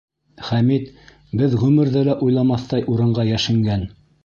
Хәмит беҙ ғүмерҙә лә уйламаҫтай урынға йәшенгән!